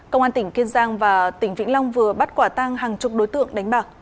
công an tỉnh kiên giang và tỉnh vĩnh long vừa bắt quả tang hàng chục đối tượng đánh bạc